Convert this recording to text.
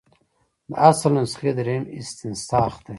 د اصل نسخې دریم استنساخ دی.